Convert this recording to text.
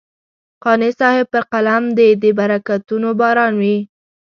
قانع صاحب پر قلم دې د برکتونو باران وي.